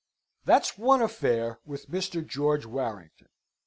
That's one affair with young Mr. George Warrington.